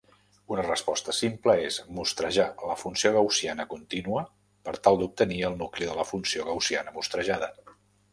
Una resposta simple és mostrejar la funció gaussiana continua per tal d'obtenir el nucli de la funció gaussiana mostrejada.